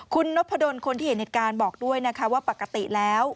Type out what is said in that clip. คุณนพดลคนที่เห็นเหตุการณ์บอกด้วยนะคะว่าปกติแล้ว